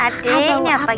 adeknya apa gitu